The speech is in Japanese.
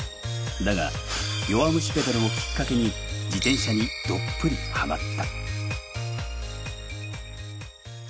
だが「弱虫ペダル」をきっかけに自転車にどっぷりハマった。